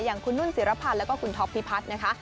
อย่างคุณนุ่นศิรพันธ์แล้วก็คุณท็อปพิพัฒน์นะคะ